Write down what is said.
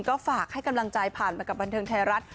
ก็ฝากให้กำลังใจผ่านมากับบันเทิงไทยรัฐ